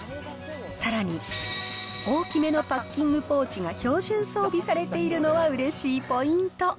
さらに、大きめのパッキングポーチが標準装備されているのはうれしいポイント。